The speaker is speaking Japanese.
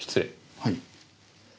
はい。